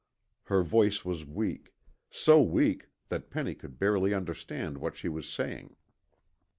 Her voice was weak, so weak that Penny could barely understand what she was saying.